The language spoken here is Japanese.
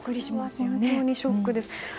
本当にショックです。